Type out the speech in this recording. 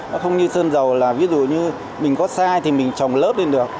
nó không như sơn dầu là ví dụ như mình có sai thì mình trồng lớp lên được